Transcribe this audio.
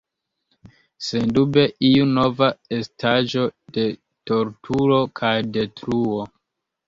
Sendube iu nova estaĵo de torturo kaj detruo.